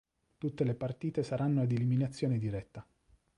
Tutte le partite saranno ad eliminazione diretta.